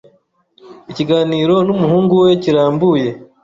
Ikiganiro n’umuhungu we kirambuye